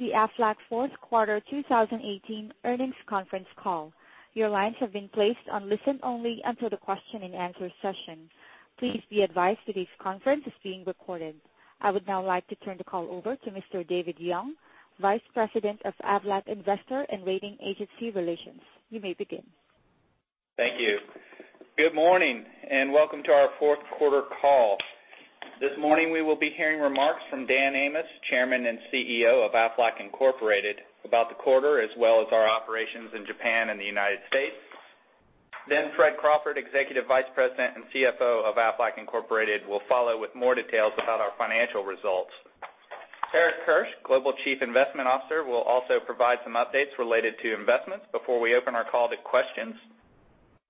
Welcome to the Aflac fourth quarter 2018 earnings conference call. Your lines have been placed on listen-only until the question and answer session. Please be advised, today's conference is being recorded. I would now like to turn the call over to Mr. David Young, Vice President of Aflac Investor and Rating Agency Relations. You may begin. Thank you. Good morning, and welcome to our fourth quarter call. This morning, we will be hearing remarks from Dan Amos, Chairman and CEO of Aflac Incorporated, about the quarter as well as our operations in Japan and the U.S. Fred Crawford, Executive Vice President and CFO of Aflac Incorporated will follow with more details about our financial results. Eric Kirsch, Global Chief Investment Officer will also provide some updates related to investments before we open our call to questions.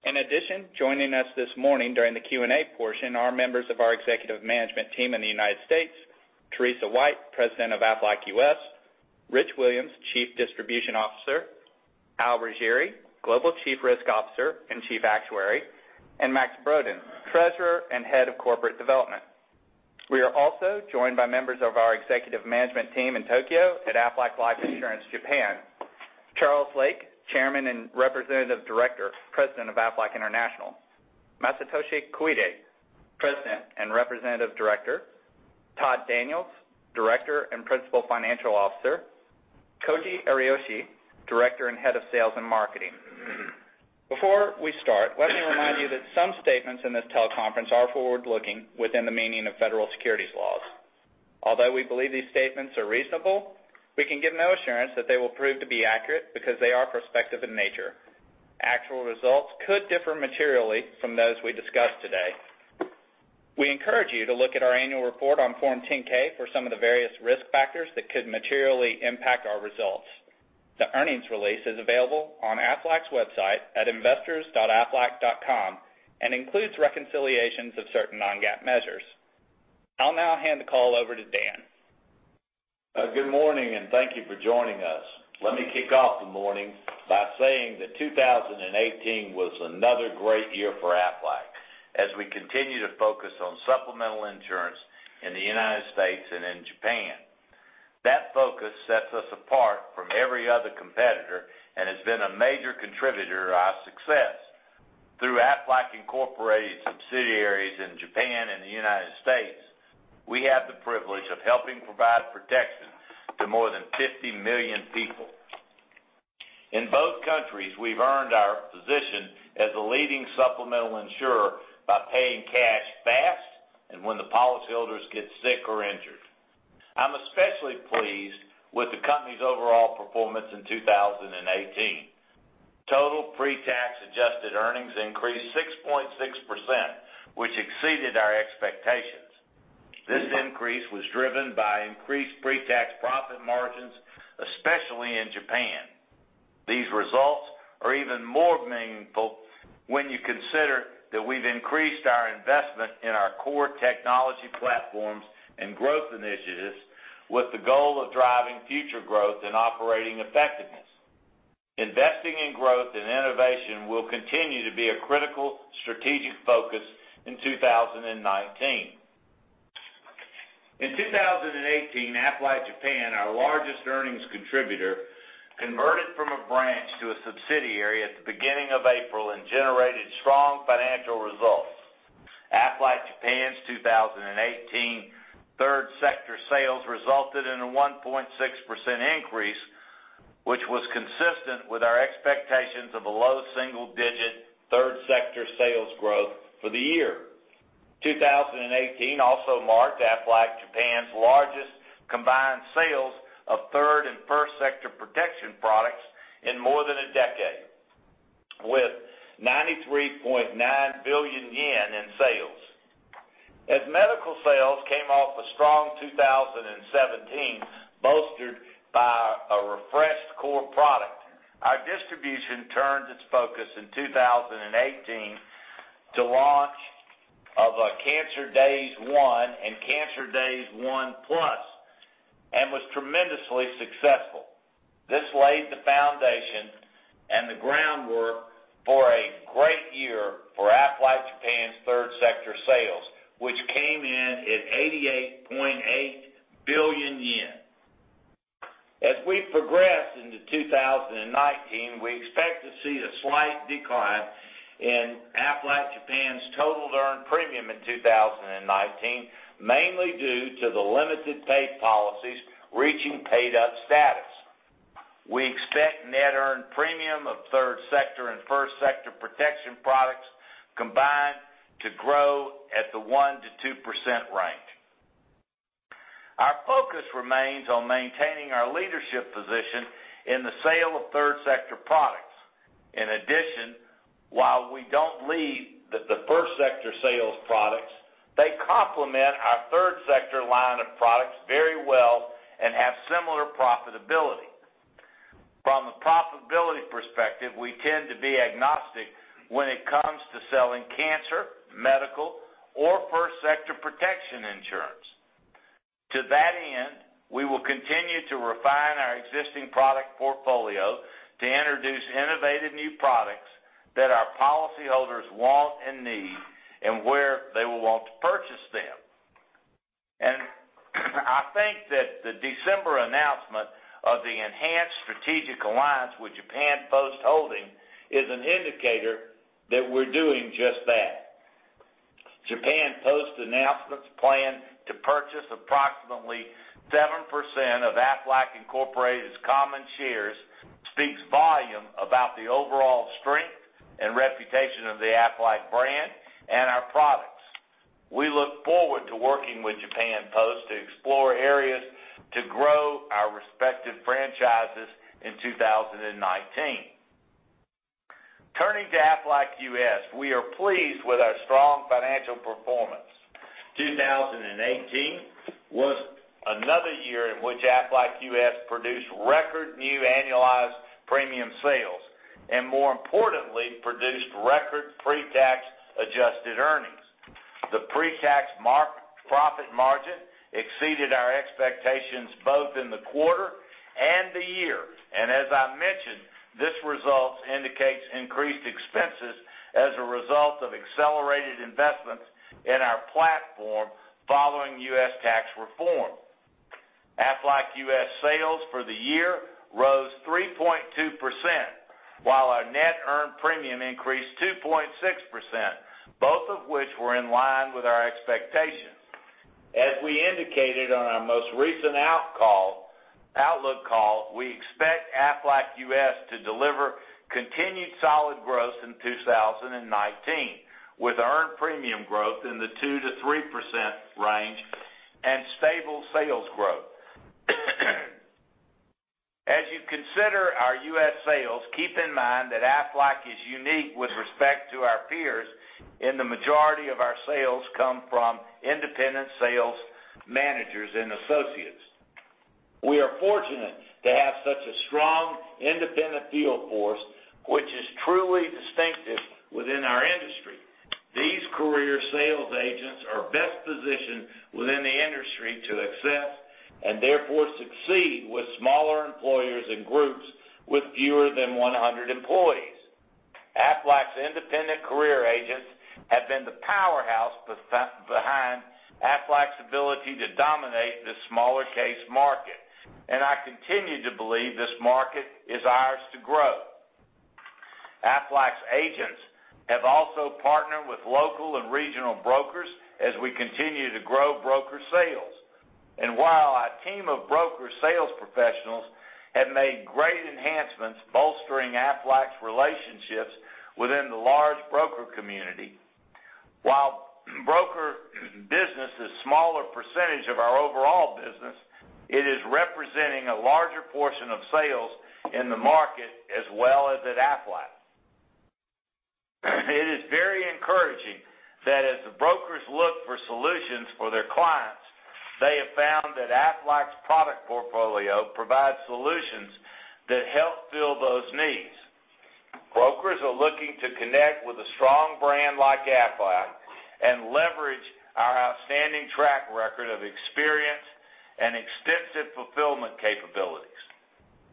In addition, joining us this morning during the Q&A portion are members of our executive management team in the U.S., Teresa White, President of Aflac U.S., Rich Williams, Chief Distribution Officer, Al Riggieri, Global Chief Risk Officer and Chief Actuary, and Max Brodén, Treasurer and Head of Corporate Development. We are also joined by members of our executive management team in Tokyo at Aflac Life Insurance Japan. Charles Lake, Chairman and Representative Director, President of Aflac International. Masatoshi Koide, President and Representative Director. Todd Daniels, Director and Principal Financial Officer. Koji Ariyoshi, Director and Head of Sales and Marketing. Before we start, let me remind you that some statements in this teleconference are forward-looking within the meaning of federal securities laws. Although we believe these statements are reasonable, we can give no assurance that they will prove to be accurate because they are prospective in nature. Actual results could differ materially from those we discuss today. We encourage you to look at our annual report on Form 10-K for some of the various risk factors that could materially impact our results. The earnings release is available on Aflac's website at investors.aflac.com and includes reconciliations of certain non-GAAP measures. I'll now hand the call over to Dan. Good morning, and thank you for joining us. Let me kick off the morning by saying that 2018 was another great year for Aflac as we continue to focus on supplemental insurance in the U.S. and in Japan. That focus sets us apart from every other competitor and has been a major contributor to our success. Through Aflac Incorporated subsidiaries in Japan and the U.S., we have the privilege of helping provide protection to more than 50 million people. In both countries, we've earned our position as the leading supplemental insurer by paying cash fast and when the policyholders get sick or injured. I'm especially pleased with the company's overall performance in 2018. Total pre-tax adjusted earnings increased 6.6%, which exceeded our expectations. This increase was driven by increased pre-tax profit margins, especially in Japan. These results are even more meaningful when you consider that we've increased our investment in our core technology platforms and growth initiatives with the goal of driving future growth and operating effectiveness. Investing in growth and innovation will continue to be a critical strategic focus in 2019. In 2018, Aflac Japan, our largest earnings contributor, converted from a branch to a subsidiary at the beginning of April and generated strong financial results. Aflac Japan's 2018 Third Sector sales resulted in a 1.6% increase, which was consistent with our expectations of a low single-digit Third Sector sales growth for the year. 2018 also marked Aflac Japan's largest combined sales of Third and First Sector protection products in more than a decade with 93.9 billion yen in sales. Medical sales came off a strong 2017 bolstered by a refreshed core product, our distribution turned its focus in 2018 to launch of a Cancer Days One and Cancer Days One Plus and was tremendously successful. This laid the foundation and the groundwork for a great year for Aflac Japan's Third Sector sales, which came in at 88.8 billion yen. We progress into 2019, we expect to see a slight decline in Aflac Japan's total earned premium in 2019, mainly due to the limited paid policies reaching paid up status. We expect net earned premium of Third Sector and First Sector protection products combined to grow at the 1%-2% range. Our focus remains on maintaining our leadership position in the sale of Third Sector products. In addition, while we don't lead the First Sector sales products, they complement our Third Sector line of products very well and have similar profitability. From a profitability perspective, we tend to be agnostic when it comes to selling cancer, medical, or First Sector protection insurance. To that end, we will continue to refine our existing product portfolio to introduce innovative new products that our policyholders want and need, and where they will want to purchase them. I think that the December announcement of the enhanced strategic alliance with Japan Post Holdings is an indicator that we're doing just that. Japan Post's announcement to plan to purchase approximately 7% of Aflac Incorporated's common shares speaks volume about the overall strength and reputation of the Aflac brand and our products. We look forward to working with Japan Post to explore areas to grow our respective franchises in 2019. Turning to Aflac U.S., we are pleased with our strong financial performance. 2018 was another year in which Aflac U.S. produced record new annualized premium sales, and more importantly, produced record pre-tax adjusted earnings. The pre-tax profit margin exceeded our expectations both in the quarter and the year. As I mentioned, this result indicates increased expenses as a result of accelerated investments in our platform following U.S. tax reform. Aflac U.S. sales for the year rose 3.2%, while our net earned premium increased 2.6%, both of which were in line with our expectations. We indicated on our most recent outlook call, we expect Aflac U.S. to deliver continued solid growth in 2019, with earned premium growth in the 2%-3% range and stable sales growth. As you consider our U.S. sales, keep in mind that Aflac is unique with respect to our peers, the majority of our sales come from independent sales managers and associates. We are fortunate to have such a strong independent field force, which is truly distinctive within our industry. These career sales agents are best positioned within the industry to accept, and therefore succeed, with smaller employers and groups with fewer than 100 employees. Aflac's independent career agents have been the powerhouse behind Aflac's ability to dominate the smaller case market, I continue to believe this market is ours to grow. Aflac's agents have also partnered with local and regional brokers as we continue to grow broker sales. While our team of broker sales professionals have made great enhancements bolstering Aflac's relationships within the large broker community, while broker business is smaller percentage of our overall business, it is representing a larger portion of sales in the market as well as at Aflac. It is very encouraging that as the brokers look for solutions for their clients, they have found that Aflac's product portfolio provides solutions that help fill those needs. Brokers are looking to connect with a strong brand like Aflac and leverage our outstanding track record of experience and extensive fulfillment capabilities.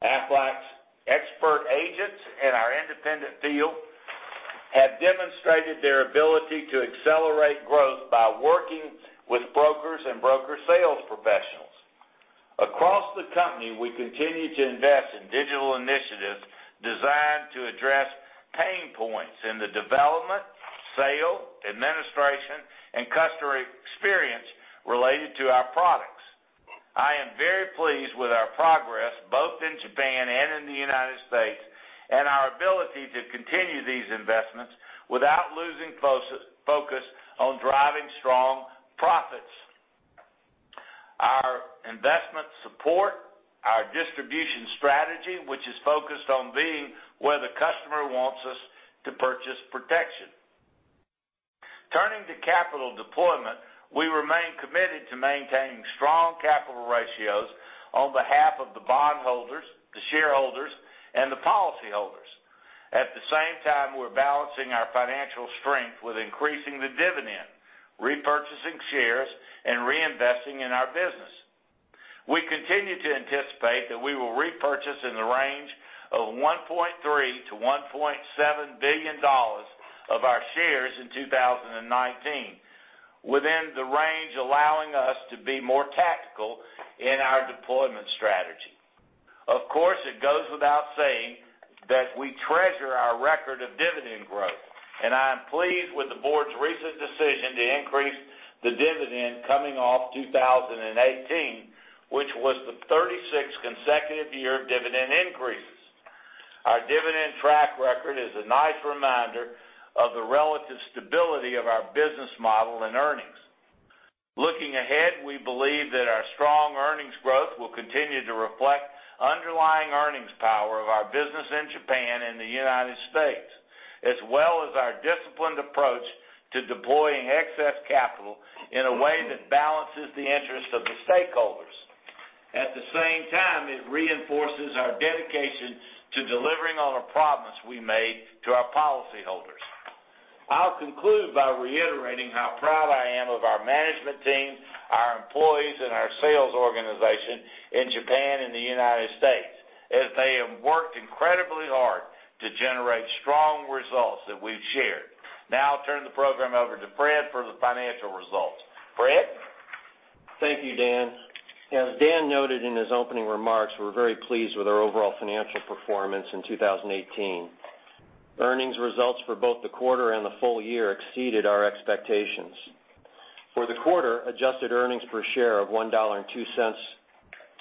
Aflac's expert agents in our independent field have demonstrated their ability to accelerate growth by working with brokers and broker sales professionals. Across the company, we continue to invest in digital initiatives designed to address pain points in the development, sale, administration, and customer experience related to our products. I am very pleased with our progress both in Japan and in the United States, our ability to continue these investments without losing focus on driving strong profits. Our investments support our distribution strategy, which is focused on being where the customer wants us to purchase protection. Turning to capital deployment, we remain committed to maintaining strong capital ratios on behalf of the bondholders, the shareholders, and the policyholders. At the same time, we're balancing our financial strength with increasing the dividend, repurchasing shares, and reinvesting in our business. We continue to anticipate that we will repurchase in the range of $1.3 billion-$1.7 billion of our shares in 2019, within the range allowing us to be more tactical in our deployment strategy. Of course, it goes without saying that we treasure our record of dividend growth, I am pleased with the board's recent decision to increase the dividend coming off 2018, which was the 36th consecutive year of dividend increases. Our dividend track record is a nice reminder of the relative stability of our business model and earnings. Looking ahead, we believe that our strong earnings growth will continue to reflect underlying earnings power of our business in Japan and the United States, as well as our disciplined approach to deploying excess capital in a way that balances the interest of the stakeholders. At the same time, it reinforces our dedication to delivering on a promise we made to our policyholders. I'll conclude by reiterating how proud I am of our management team, our employees, and our sales organization in Japan and the U.S., as they have worked incredibly hard to generate strong results that we've shared. Now I'll turn the program over to Fred for the financial results. Fred. Thank you, Dan. As Dan noted in his opening remarks, we're very pleased with our overall financial performance in 2018. Earnings results for both the quarter and the full year exceeded our expectations. For the quarter, adjusted earnings per share of $1.02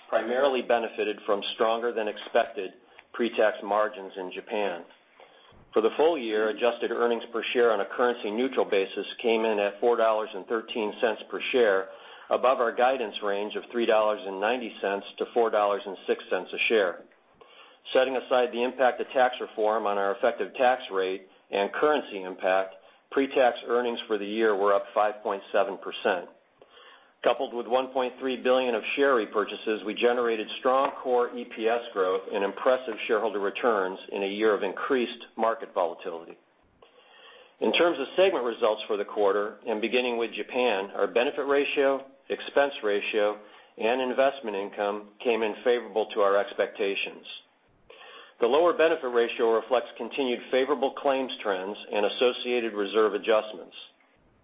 primarily benefited from stronger than expected pre-tax margins in Japan. For the full year, adjusted earnings per share on a currency neutral basis came in at $4.13 per share, above our guidance range of $3.90-$4.06 a share. Setting aside the impact of tax reform on our effective tax rate and currency impact, pre-tax earnings for the year were up 5.7%. Coupled with $1.3 billion of share repurchases, we generated strong core EPS growth and impressive shareholder returns in a year of increased market volatility. In terms of segment results for the quarter, beginning with Japan, our benefit ratio, expense ratio, and investment income came in favorable to our expectations. The lower benefit ratio reflects continued favorable claims trends and associated reserve adjustments.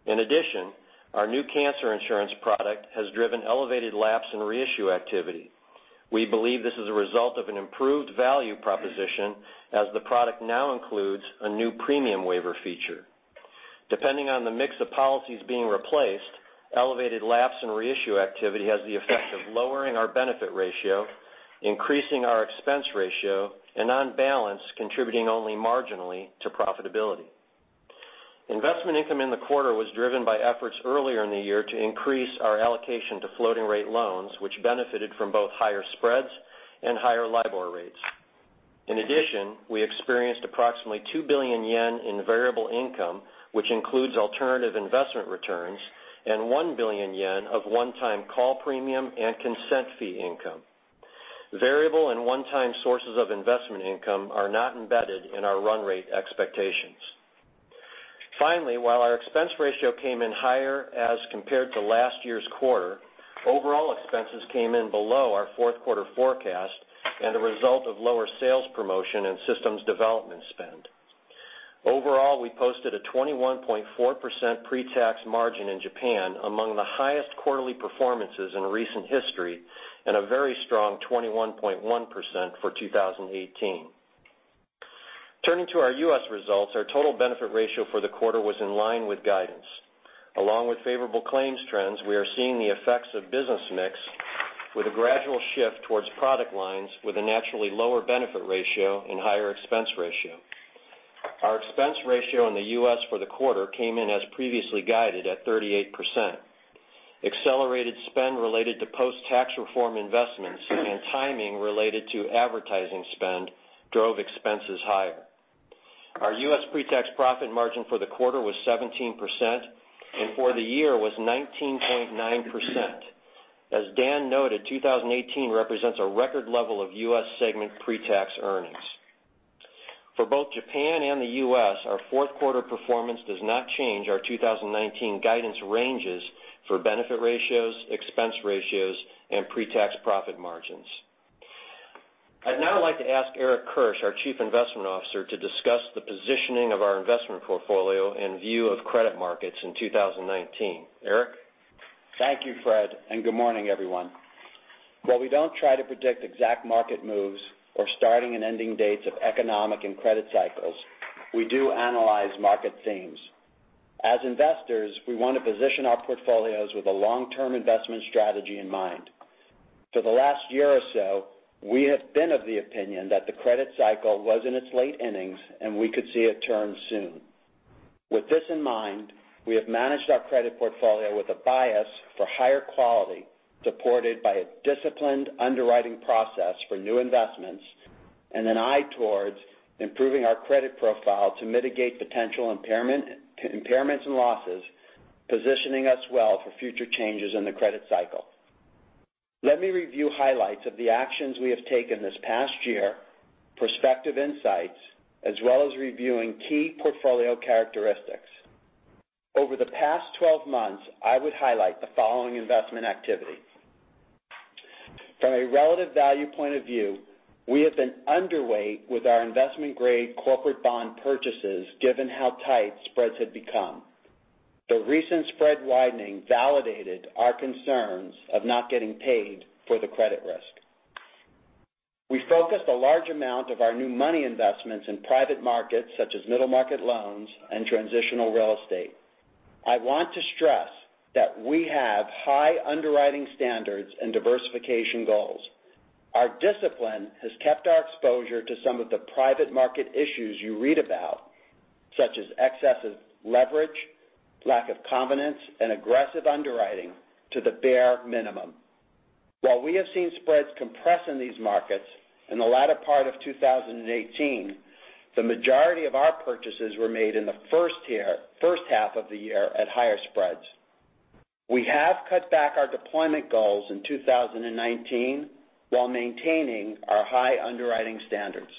In addition, our new cancer insurance product has driven elevated lapse and reissue activity. We believe this is a result of an improved value proposition, as the product now includes a new premium waiver feature. Depending on the mix of policies being replaced, elevated lapse and reissue activity has the effect of lowering our benefit ratio, increasing our expense ratio, and on balance, contributing only marginally to profitability. Investment income in the quarter was driven by efforts earlier in the year to increase our allocation to floating rate loans, which benefited from both higher spreads and higher LIBOR rates. In addition, we experienced approximately 2 billion yen in variable income, which includes alternative investment returns, and 1 billion yen of one-time call premium and consent fee income. Variable and one-time sources of investment income are not embedded in our run rate expectations. Finally, while our expense ratio came in higher as compared to last year's quarter, overall expenses came in below our fourth quarter forecast and a result of lower sales promotion and systems development spend. Overall, we posted a 21.4% pre-tax margin in Japan, among the highest quarterly performances in recent history, and a very strong 21.1% for 2018. Turning to our U.S. results, our total benefit ratio for the quarter was in line with guidance. Along with favorable claims trends, we are seeing the effects of business mix with a gradual shift towards product lines with a naturally lower benefit ratio and higher expense ratio. Our expense ratio in the U.S. for the quarter came in as previously guided at 38%. Accelerated spend related to post-tax reform investments and timing related to advertising spend drove expenses higher. Our U.S. pre-tax profit margin for the quarter was 17%, and for the year was 19.9%. As Dan noted, 2018 represents a record level of U.S. segment pre-tax earnings. For both Japan and the U.S., our fourth quarter performance does not change our 2019 guidance ranges for benefit ratios, expense ratios, and pre-tax profit margins. I'd now like to ask Eric Kirsch, our Chief Investment Officer, to discuss the positioning of our investment portfolio in view of credit markets in 2019. Eric? Thank you, Fred. Good morning, everyone. While we don't try to predict exact market moves or starting and ending dates of economic and credit cycles, we do analyze market themes. As investors, we want to position our portfolios with a long-term investment strategy in mind. For the last year or so, we have been of the opinion that the credit cycle was in its late innings and we could see a turn soon. With this in mind, we have managed our credit portfolio with a bias for higher quality, supported by a disciplined underwriting process for new investments, and an eye towards improving our credit profile to mitigate potential impairments and losses, positioning us well for future changes in the credit cycle. Let me review highlights of the actions we have taken this past year, prospective insights, as well as reviewing key portfolio characteristics. Over the past 12 months, I would highlight the following investment activity. From a relative value point of view, we have been underweight with our investment-grade corporate bond purchases given how tight spreads had become. The recent spread widening validated our concerns of not getting paid for the credit risk. We focused a large amount of our new money investments in private markets such as middle market loans and transitional real estate. I want to stress that we have high underwriting standards and diversification goals. Our discipline has kept our exposure to some of the private market issues you read about, such as excessive leverage, lack of confidence, and aggressive underwriting, to the bare minimum. While we have seen spreads compress in these markets in the latter part of 2018, the majority of our purchases were made in the first half of the year at higher spreads. We have cut back our deployment goals in 2019 while maintaining our high underwriting standards.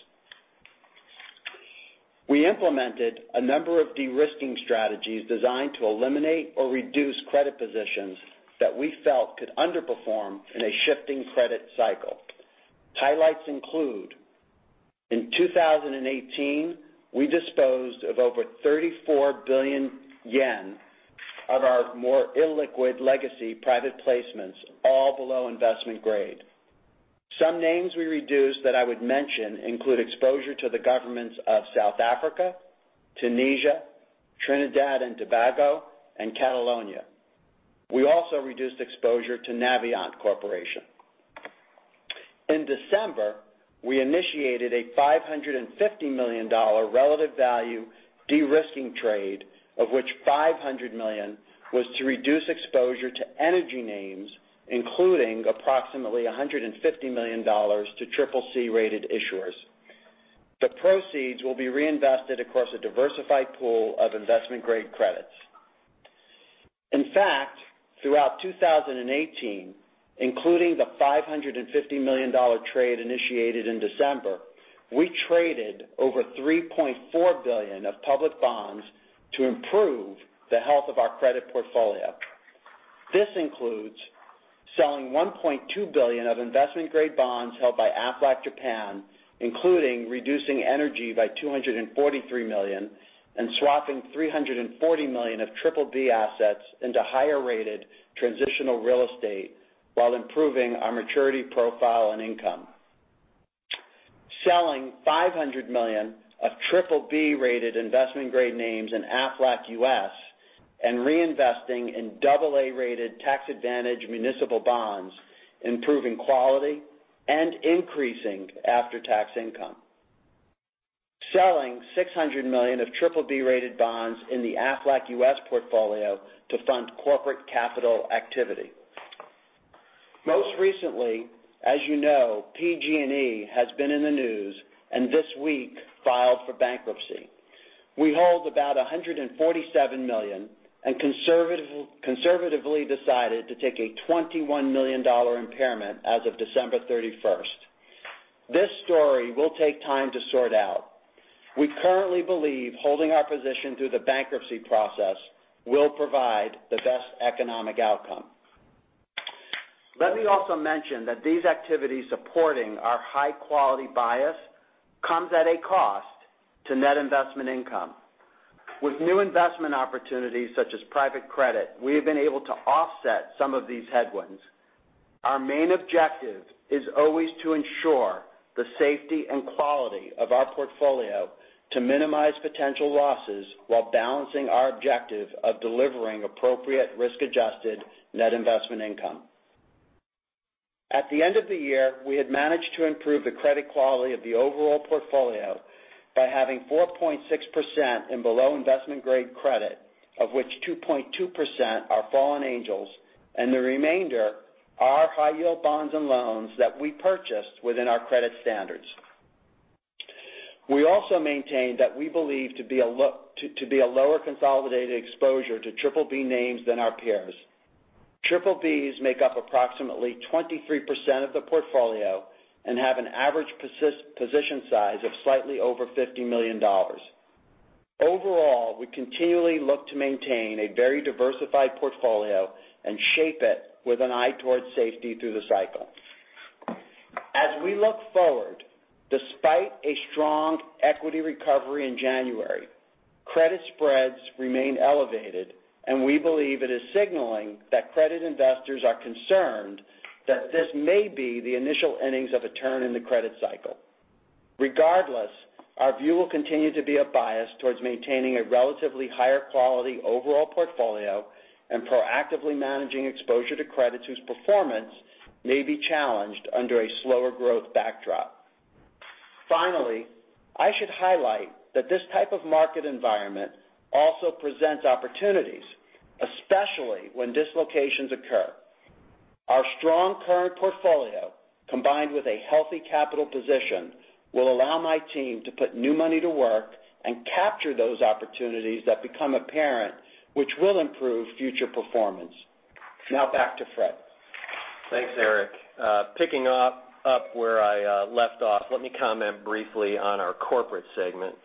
We implemented a number of de-risking strategies designed to eliminate or reduce credit positions that we felt could underperform in a shifting credit cycle. Highlights include, in 2018, we disposed of over 34 billion yen of our more illiquid legacy private placements, all below investment-grade. Some names we reduced that I would mention include exposure to the governments of South Africa, Tunisia, Trinidad and Tobago, and Catalonia. We also reduced exposure to Navient Corporation. In December, we initiated a $550 million relative value de-risking trade, of which $500 million was to reduce exposure to energy names, including approximately $150 million to CCC rated issuers. The proceeds will be reinvested across a diversified pool of investment-grade credits. In fact, throughout 2018, including the $550 million trade initiated in December, we traded over $3.4 billion of public bonds to improve the health of our credit portfolio. This includes selling 1.2 billion of investment-grade bonds held by Aflac Japan, including reducing energy by 243 million and swapping 340 million of BBB assets into higher-rated transitional real estate while improving our maturity profile and income. Selling $500 million of BBB-rated investment-grade names in Aflac U.S. and reinvesting in AA-rated tax advantage municipal bonds, improving quality and increasing after-tax income. Selling $600 million of BBB-rated bonds in the Aflac U.S. portfolio to fund corporate capital activity. Most recently, as you know, PG&E has been in the news and this week filed for bankruptcy. We hold about $147 million and conservatively decided to take a $21 million impairment as of December 31st. This story will take time to sort out. We currently believe holding our position through the bankruptcy process will provide the best economic outcome. Let me also mention that these activities supporting our high-quality bias comes at a cost to net investment income. With new investment opportunities, such as private credit, we have been able to offset some of these headwinds. Our main objective is always to ensure the safety and quality of our portfolio to minimize potential losses while balancing our objective of delivering appropriate risk-adjusted net investment income. At the end of the year, we had managed to improve the credit quality of the overall portfolio by having 4.6% in below investment-grade credit, of which 2.2% are fallen angels and the remainder are high-yield bonds and loans that we purchased within our credit standards. We also maintain that we believe to be a lower consolidated exposure to BBB names than our peers. BBBs make up approximately 23% of the portfolio and have an average position size of slightly over $50 million. Overall, we continually look to maintain a very diversified portfolio and shape it with an eye towards safety through the cycle. As we look forward, despite a strong equity recovery in January, credit spreads remain elevated, and we believe it is signaling that credit investors are concerned that this may be the initial innings of a turn in the credit cycle. Regardless, our view will continue to be a bias towards maintaining a relatively higher quality overall portfolio and proactively managing exposure to credit whose performance may be challenged under a slower growth backdrop. Finally, I should highlight that this type of market environment also presents opportunities, especially when dislocations occur. Our strong current portfolio, combined with a healthy capital position, will allow my team to put new money to work and capture those opportunities that become apparent, which will improve future performance. Now back to Fred. Thanks, Eric. Picking up where I left off, let me comment briefly on our corporate segment.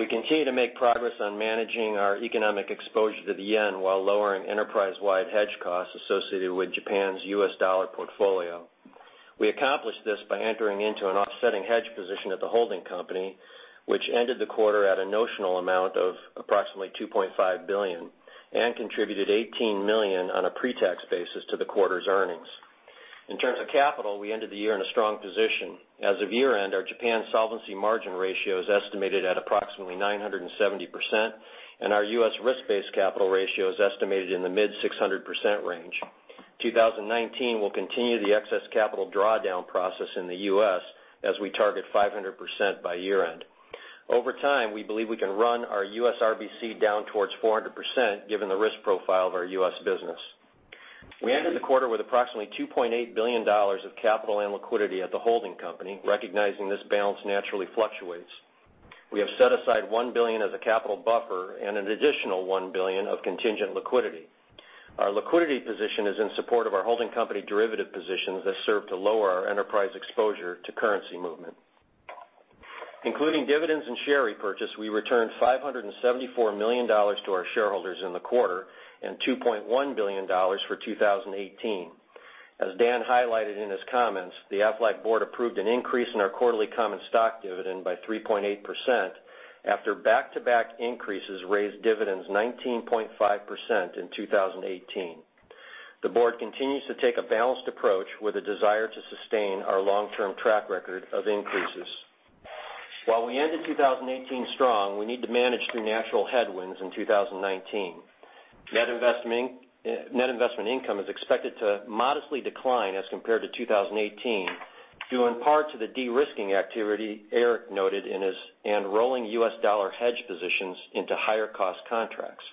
We continue to make progress on managing our economic exposure to the JPY while lowering enterprise-wide hedge costs associated with Aflac Japan's U.S. dollar portfolio. We accomplished this by entering into an offsetting hedge position at the holding company, which ended the quarter at a notional amount of approximately $2.5 billion and contributed $18 million on a pre-tax basis to the quarter's earnings. In terms of capital, we ended the year in a strong position. As of year-end, our Aflac Japan solvency margin ratio is estimated at approximately 970%, and our U.S. risk-based capital ratio is estimated in the mid-600% range. 2019 will continue the excess capital drawdown process in the U.S. as we target 500% by year-end. Over time, we believe we can run our U.S. RBC down towards 400% given the risk profile of our U.S. business. We ended the quarter with approximately $2.8 billion of capital and liquidity at the holding company, recognizing this balance naturally fluctuates. We have set aside $1 billion as a capital buffer and an additional $1 billion of contingent liquidity. Our liquidity position is in support of our holding company derivative positions that serve to lower our enterprise exposure to currency movement. Including dividends and share repurchase, we returned $574 million to our shareholders in the quarter and $2.1 billion for 2018. As Dan highlighted in his comments, the Aflac board approved an increase in our quarterly common stock dividend by 3.8% after back-to-back increases raised dividends 19.5% in 2018. The board continues to take a balanced approach with a desire to sustain our long-term track record of increases. While we ended 2018 strong, we need to manage through natural headwinds in 2019. Net investment income is expected to modestly decline as compared to 2018, due in part to the de-risking activity Eric noted in his and rolling U.S. dollar hedge positions into higher cost contracts.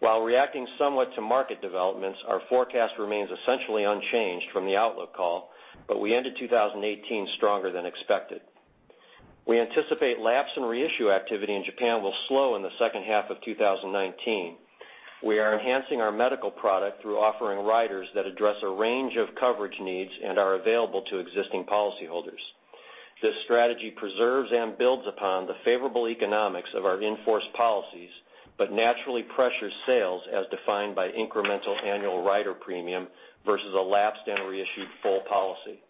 While reacting somewhat to market developments, our forecast remains essentially unchanged from the outlook call, but we ended 2018 stronger than expected. We anticipate lapse and reissue activity in Japan will slow in the second half of 2019. We are enhancing our medical product through offering riders that address a range of coverage needs and are available to existing policyholders. This strategy preserves and builds upon the favorable economics of our in-force policies, but naturally pressures sales as defined by incremental annual rider premium versus a lapsed and reissued full policy.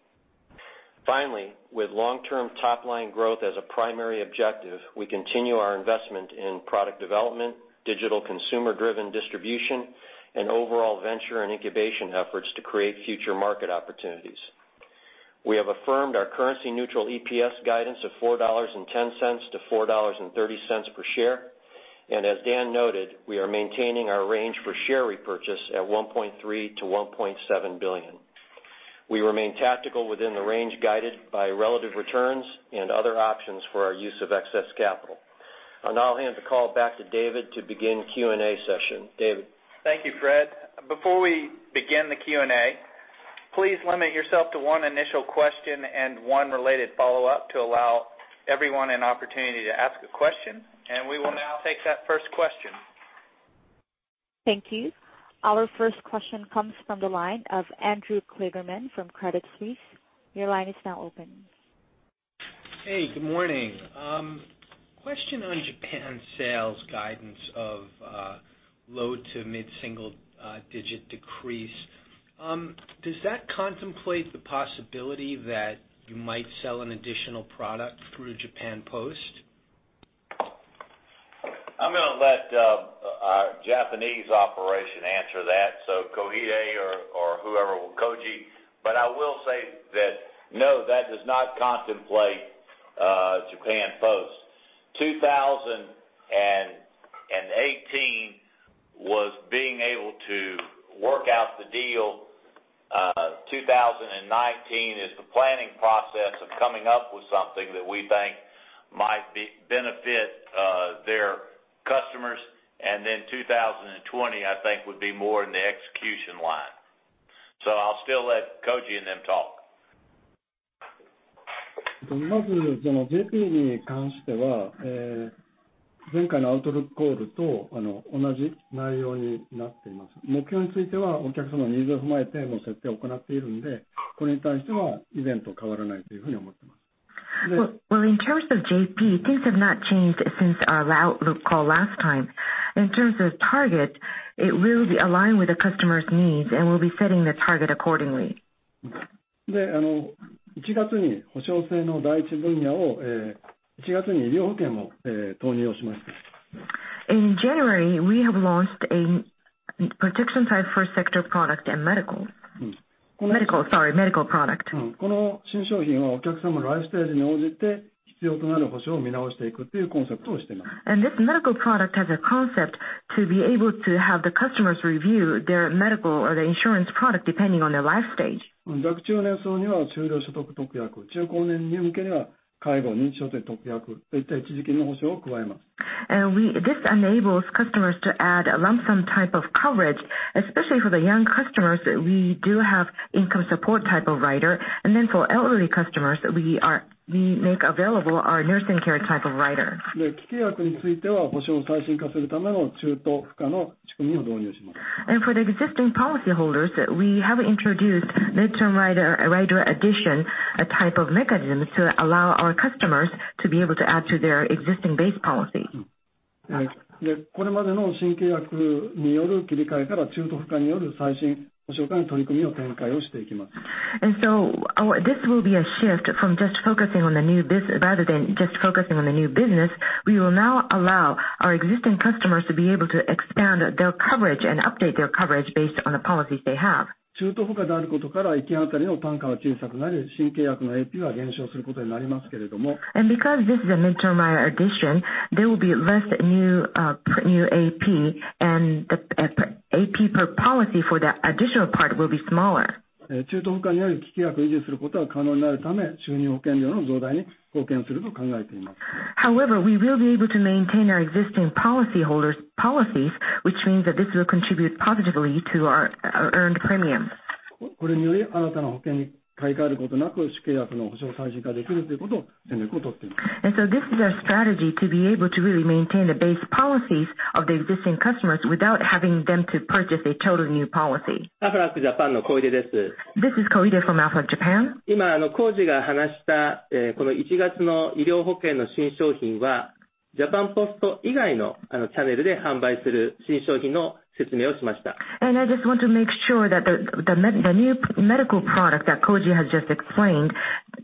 Finally, with long-term top-line growth as a primary objective, we continue our investment in product development, digital consumer-driven distribution, and overall venture and incubation efforts to create future market opportunities. We have affirmed our currency neutral EPS guidance of $4.10-$4.30 per share. As Dan noted, we are maintaining our range for share repurchase at $1.3 billion-$1.7 billion. We remain tactical within the range guided by relative returns and other options for our use of excess capital. I'll now hand the call back to David to begin Q&A session. David? Thank you, Fred. Before we begin the Q&A, please limit yourself to one initial question and one related follow-up to allow everyone an opportunity to ask a question. We will now take that first question. Thank you. Our first question comes from the line of Andrew Kligerman from Credit Suisse. Your line is now open. Hey, good morning. Question on Japan sales guidance of low to mid-single digit decrease. Does that contemplate the possibility that you might sell an additional product through Japan Post? I'm going to let our Japanese operation answer that, Koji. I will say that no, that does not contemplate Japan Post. 2018 was being able to work out the deal. 2019 is the planning process of coming up with something that we think might benefit their customers. Then 2020, I think, would be more in the execution line. I'll still let Koji and them talk. In terms of JP, things have not changed since our outlook call last time. In terms of target, it will be aligned with the customer's needs, and we'll be setting the target accordingly. In January, we have launched a protection type third sector product and medical product. This medical product has a concept to be able to have the customers review their medical or their insurance product depending on their life stage. This enables customers to add a lump sum type of coverage, especially for the young customers, we do have income support type of rider. For elderly customers, we make available our nursing care type of rider. For the existing policyholders, we have introduced mid-term rider addition type of mechanisms to allow our customers to be able to add to their existing base policy. This will be a shift from just focusing on the new business. Rather than just focusing on the new business, we will now allow our existing customers to be able to expand their coverage and update their coverage based on the policies they have. Because this is a mid-term rider addition, there will be less new AP, and the AP per policy for the additional part will be smaller. However, we will be able to maintain our existing policyholders' policies, which means that this will contribute positively to our earned premium. This is our strategy to be able to really maintain the base policies of the existing customers without having them to purchase a total new policy. This is Koide from Aflac Japan. I just want to make sure that the new medical product that Koji has just explained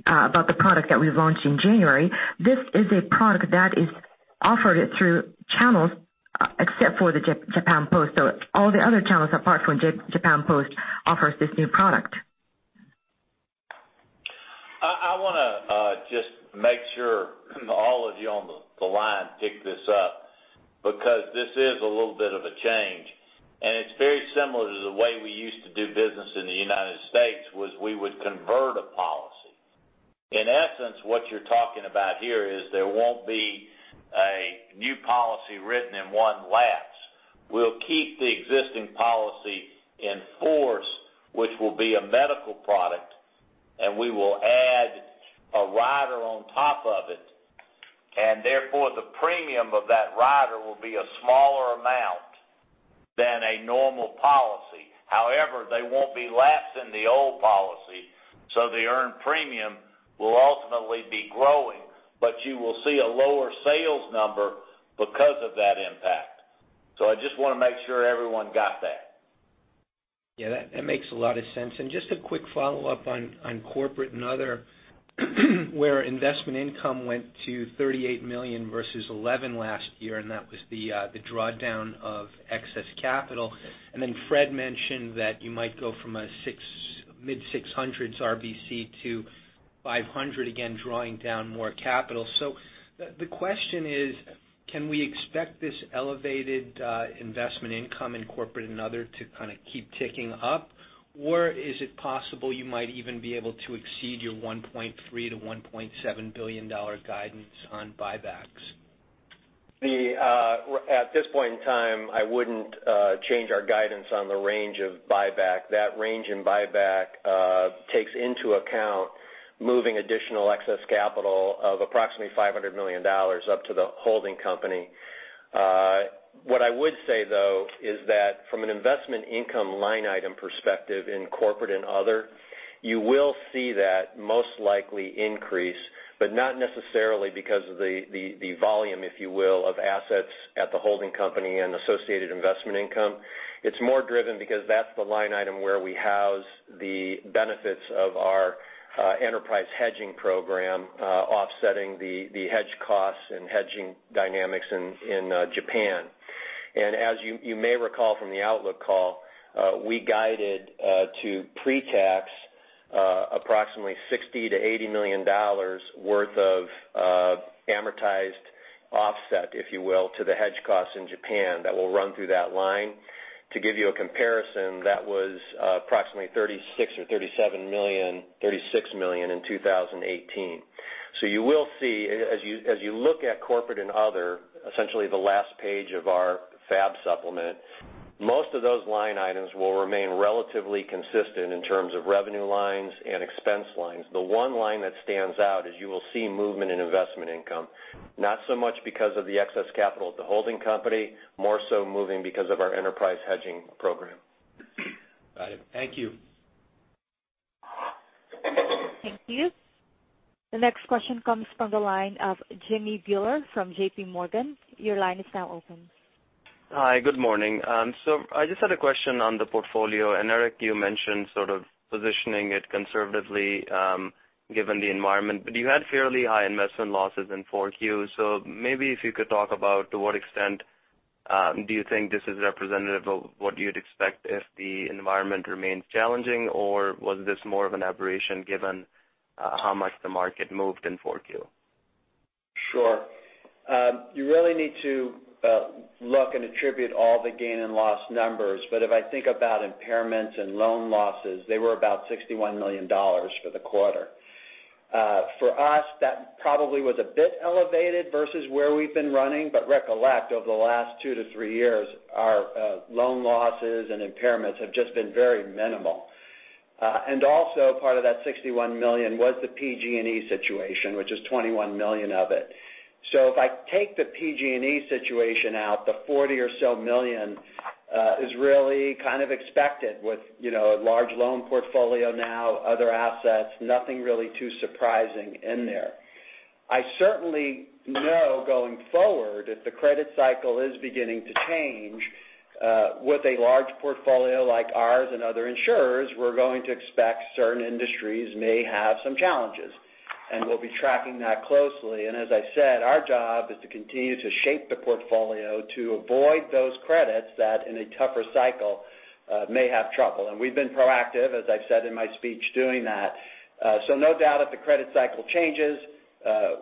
about the product that we've launched in January, this is a product that is offered through channels except for the Japan Post. All the other channels apart from Japan Post offers this new product. I want to just make sure all of you on the line pick this up, because this is a little bit of a change, and it's very similar to the way we used to do business in the U.S., was we would convert a policy. In essence, what you're talking about here is there won't be a new policy written in one lapse. We'll keep the existing policy in force, which will be a medical product, and we will add a rider on top of it, and therefore, the premium of that rider will be a smaller amount than a normal policy. However, they won't be lapsing the old policy, so the earned premium will ultimately be growing. You will see a lower sales number because of that impact. I just want to make sure everyone got that. Yeah, that makes a lot of sense. Just a quick follow-up on corporate and other, where investment income went to $38 million versus $11 million last year, and that was the drawdown of excess capital. Then Fred mentioned that you might go from a mid-600s RBC to 500, again, drawing down more capital. The question is, can we expect this elevated investment income in corporate and other to kind of keep ticking up? Or is it possible you might even be able to exceed your $1.3 billion-$1.7 billion guidance on buybacks? At this point in time, I wouldn't change our guidance on the range of buyback. That range in buyback takes into account moving additional excess capital of approximately $500 million up to the holding company. I would say, though, is that from an investment income line item perspective in corporate and other, you will see that most likely increase, but not necessarily because of the volume, if you will, of assets at the holding company and associated investment income. It's more driven because that's the line item where we house the benefits of our enterprise hedging program, offsetting the hedge costs and hedging dynamics in Japan. As you may recall from the outlook call, we guided to pre-tax approximately $60 million-$80 million worth of amortized offset, if you will, to the hedge costs in Japan. That will run through that line. To give you a comparison, that was approximately $36 million or $37 million, $36 million in 2018. You will see, as you look at corporate and other, essentially the last page of our FAB supplement, most of those line items will remain relatively consistent in terms of revenue lines and expense lines. The one line that stands out is you will see movement in investment income, not so much because of the excess capital at the holding company, more so moving because of our enterprise hedging program. Got it. Thank you. Thank you. The next question comes from the line of Jimmy Bhullar from JPMorgan. Your line is now open. Hi. Good morning. I just had a question on the portfolio. Eric, you mentioned sort of positioning it conservatively given the environment, but you had fairly high investment losses in Q4. Maybe if you could talk about to what extent do you think this is representative of what you'd expect if the environment remains challenging, or was this more of an aberration given how much the market moved in Q4? Sure. You really need to look and attribute all the gain and loss numbers. If I think about impairments and loan losses, they were about $61 million for the quarter. For us, that probably was a bit elevated versus where we've been running. But recollect, over the last two to three years, our loan losses and impairments have just been very minimal. Also part of that $61 million was the PG&E situation, which is $21 million of it. If I take the PG&E situation out, the $40 million or so is really kind of expected with a large loan portfolio now, other assets, nothing really too surprising in there. I certainly know going forward, if the credit cycle is beginning to change, with a large portfolio like ours and other insurers, we're going to expect certain industries may have some challenges, and we'll be tracking that closely. As I said, our job is to continue to shape the portfolio to avoid those credits that, in a tougher cycle, may have trouble. We've been proactive, as I've said in my speech, doing that. No doubt if the credit cycle changes,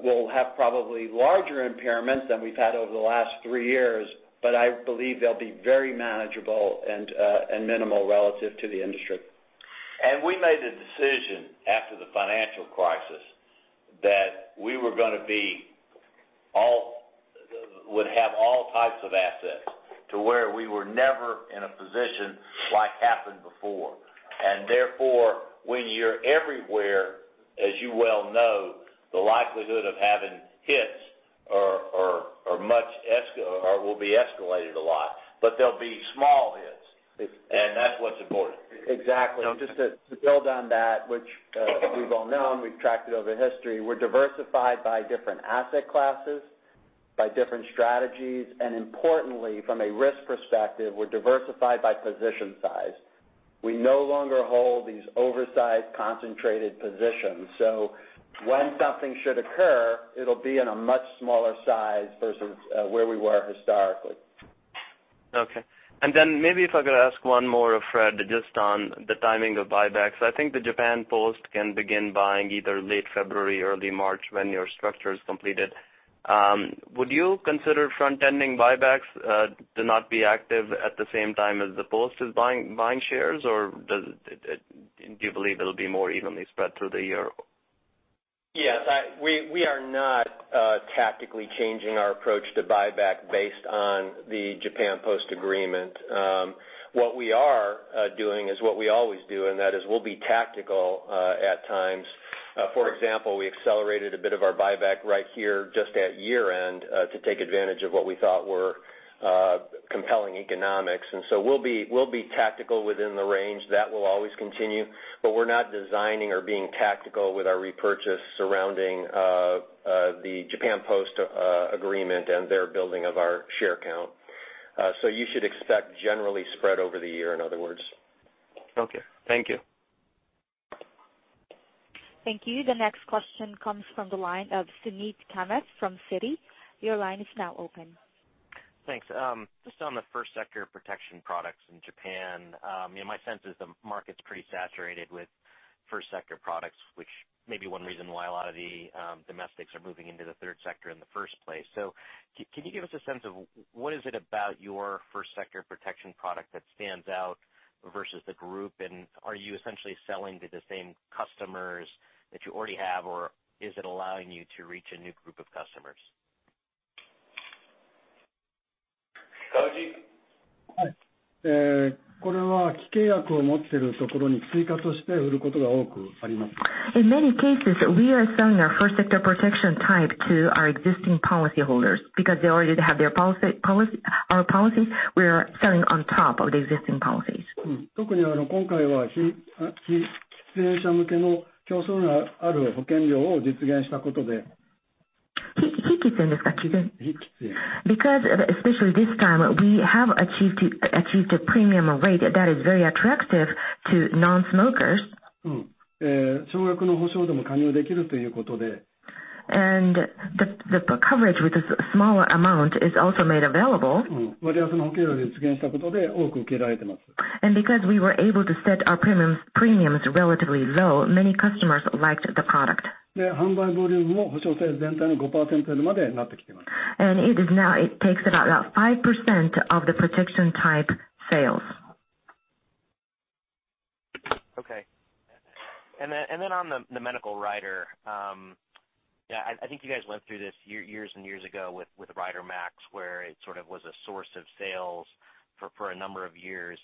we'll have probably larger impairments than we've had over the last three years. I believe they'll be very manageable and minimal relative to the industry. We made the decision after the financial crisis that we were going to have all types of assets to where we were never in a position like happened before. Therefore, when you're everywhere, as you well know, the likelihood of having hits will be escalated a lot, but they'll be small hits, and that's what's important. Exactly. Just to build on that, which we've all known, we've tracked it over history, we're diversified by different asset classes, by different strategies, and importantly, from a risk perspective, we're diversified by position size. We no longer hold these oversized, concentrated positions. When something should occur, it'll be in a much smaller size versus where we were historically. Okay. Then maybe if I could ask one more of Fred, just on the timing of buybacks. I think the Japan Post can begin buying either late February, early March, when your structure is completed. Would you consider front-ending buybacks to not be active at the same time as the Post is buying shares? Or do you believe it'll be more evenly spread through the year? Yes. We are not tactically changing our approach to buyback based on the Japan Post agreement. What we are doing is what we always do, and that is we will be tactical at times. For example, we accelerated a bit of our buyback right here just at year-end to take advantage of what we thought were compelling economics. We will be tactical within the range. That will always continue. We are not designing or being tactical with our repurchase surrounding the Japan Post agreement and their building of our share count. You should expect generally spread over the year, in other words. Okay. Thank you. Thank you. The next question comes from the line of Suneet Kamath from Citi. Your line is now open. Thanks. Just on the first sector protection products in Japan. My sense is the market is pretty saturated with first sector products, which may be one reason why a lot of the domestics are moving into the third sector in the first place. Can you give us a sense of what is it about your first sector protection product that stands out versus the group? Are you essentially selling to the same customers that you already have, or is it allowing you to reach a new group of customers? Koji? In many cases, we are selling our first sector protection type to our existing policyholders because they already have our policy. We are selling on top of the existing policies. Especially this time, we have achieved a premium rate that is very attractive to non-smokers. The coverage with a smaller amount is also made available. Because we were able to set our premiums relatively low, many customers liked the product. It now takes about 5% of the protection type sales. Okay. On the medical rider. I think you guys went through this years and years ago with Rider Max, where it sort of was a source of sales for a number of years.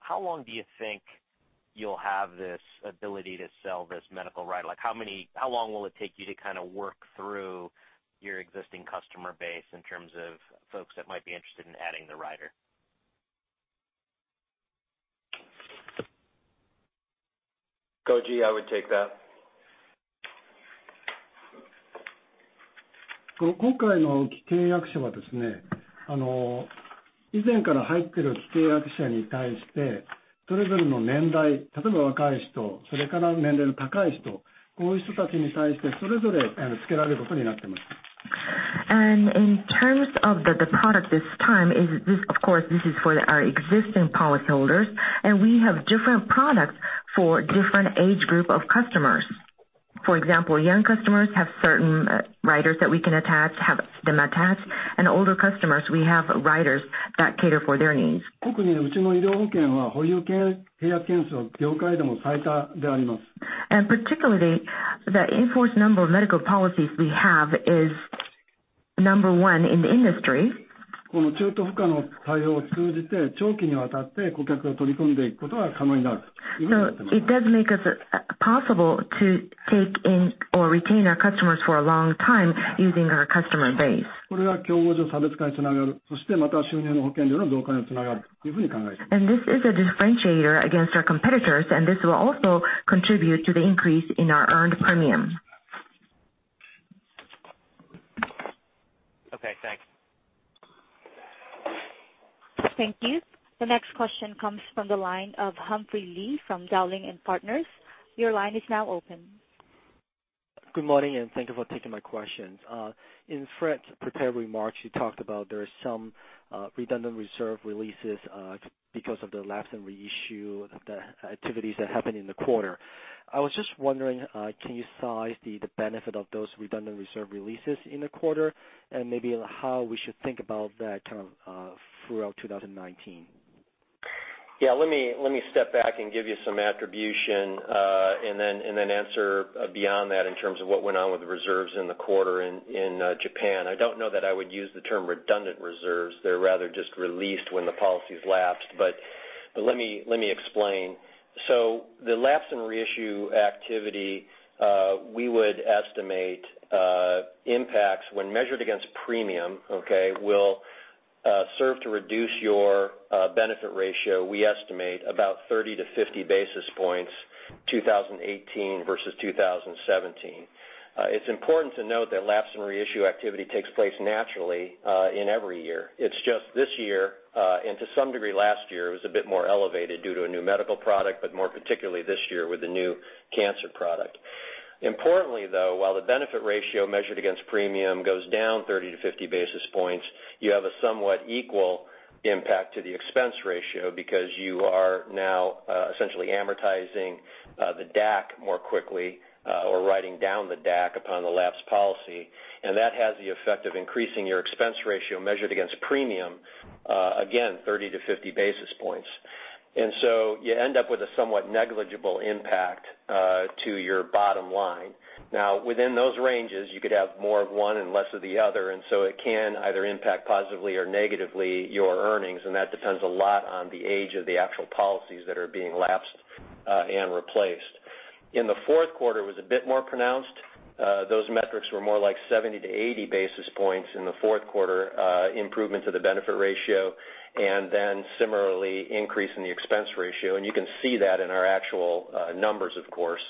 How long do you think you'll have this ability to sell this medical rider? How long will it take you to kind of work through your existing customer base in terms of folks that might be interested in adding the rider? Koji, I would take that. In terms of the product this time, of course, this is for our existing policyholders, we have different products for different age group of customers. For example, young customers have certain riders that we can have them attached, older customers, we have riders that cater for their needs. Particularly, the in-force number of medical policies we have is number 1 in the industry. It does make us possible to take in or retain our customers for a long time using our customer base. This is a differentiator against our competitors, this will also contribute to the increase in our earned premium. Okay, thanks. Thank you. The next question comes from the line of Humphrey Lee from Dowling & Partners. Your line is now open. Good morning, and thank you for taking my questions. In Fred's prepared remarks, you talked about there are some redundant reserve releases because of the lapse in reissue, the activities that happened in the quarter. I was just wondering, can you size the benefit of those redundant reserve releases in the quarter? And maybe how we should think about that kind of throughout 2019. Yeah. Let me step back and give you some attribution, and then answer beyond that in terms of what went on with the reserves in the quarter in Japan. I don't know that I would use the term redundant reserves. They're rather just released when the policies lapsed. Let me explain. The lapse and reissue activity, we would estimate impacts when measured against premium, okay, will serve to reduce your benefit ratio. We estimate about 30 to 50 basis points 2018 versus 2017. It's important to note that lapse and reissue activity takes place naturally in every year. It's just this year, and to some degree, last year was a bit more elevated due to a new medical product, but more particularly this year with the new cancer product. Importantly, though, while the benefit ratio measured against premium goes down 30 to 50 basis points, you have a somewhat equal impact to the expense ratio because you are now essentially amortizing the DAC more quickly, or writing down the DAC upon the lapsed policy. That has the effect of increasing your expense ratio measured against premium, again, 30 to 50 basis points. So you end up with a somewhat negligible impact to your bottom line. Now within those ranges, you could have more of one and less of the other, so it can either impact positively or negatively your earnings, and that depends a lot on the age of the actual policies that are being lapsed and replaced. In the fourth quarter, it was a bit more pronounced. Those metrics were more like 70 to 80 basis points in the fourth quarter improvements of the benefit ratio, similarly increasing the expense ratio. You can see that in our actual numbers, of course,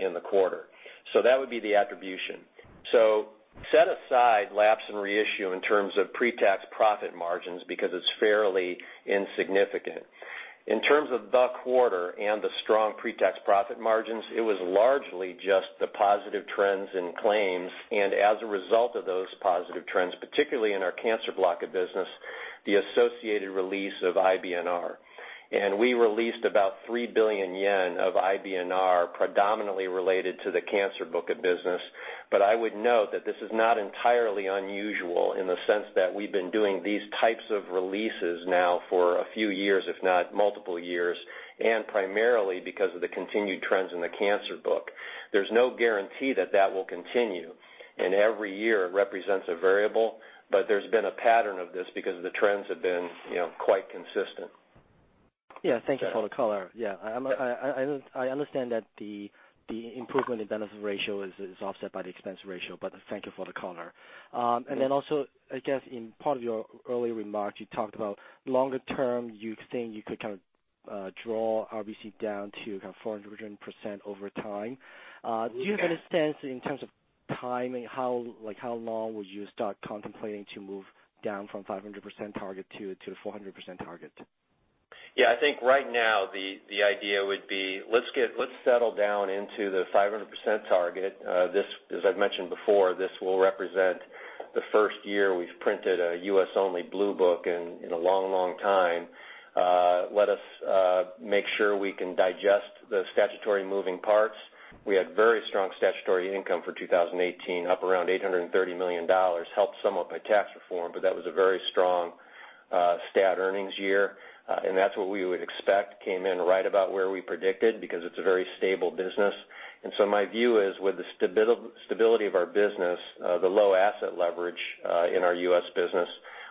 in the quarter. That would be the attribution. Set aside lapse and reissue in terms of pre-tax profit margins because it's fairly insignificant. In terms of the quarter and the strong pre-tax profit margins, it was largely just the positive trends in claims. As a result of those positive trends, particularly in our cancer block of business, the associated release of IBNR. We released about 3 billion yen of IBNR, predominantly related to the cancer book of business. I would note that this is not entirely unusual in the sense that we've been doing these types of releases now for a few years, if not multiple years, primarily because of the continued trends in the cancer book. There's no guarantee that that will continue, every year represents a variable, there's been a pattern of this because the trends have been quite consistent. Yeah. Thank you for the color. Yeah. I understand that the improvement in benefit ratio is offset by the expense ratio, thank you for the color. Also, I guess in part of your earlier remarks, you talked about longer term, you think you could kind of draw RBC down to 400% over time. Yeah. Do you have any sense in terms of timing, like how long would you start contemplating to move down from 500% target to a 400% target? Yeah. I think right now the idea would be let's settle down into the 500% target. As I've mentioned before, this will represent the first year we've printed a U.S.-only Blue Book in a long time. Let us make sure we can digest the statutory moving parts. We had very strong statutory income for 2018, up around $830 million, helped somewhat by tax reform, but that was a very strong stat earnings year. That's what we would expect came in right about where we predicted because it's a very stable business. My view is with the stability of our business, the low asset leverage in our U.S. business,